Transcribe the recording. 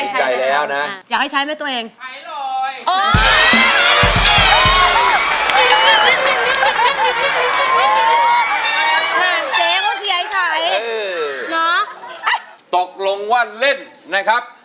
เจก็เชียร์ไข่ใช้เนาะตกลงว่าเล่นนะครับ